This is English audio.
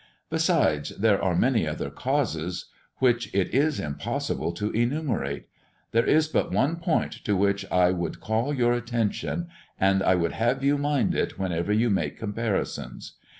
Besides there are many other causes which it is impossible to enumerate. There is but one point to which I would call your attention; and I would have you mind it whenever you make comparisons.